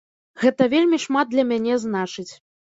Гэта вельмі шмат для мяне значыць.